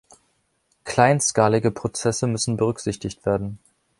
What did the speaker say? Kleinskalige Prozesse müssen berücksichtigt werden.